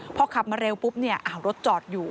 พอขับมาเร็วปุ๊บรถจอดอยู่